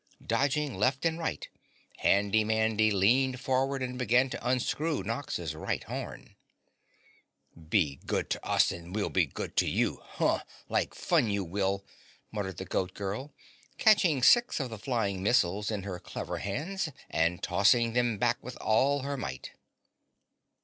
Dodging left and right, Handy Mandy leaned forward and began to unscrew Nox's right horn. "'Be good to us and we'll be good to you!' HOH! Like fun you will!" muttered the Goat Girl, catching six of the flying missiles in her clever hands and tossing them back with all her might.